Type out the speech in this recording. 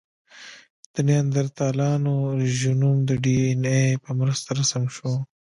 د نیاندرتالانو ژینوم د ډياېناې په مرسته رسم شو.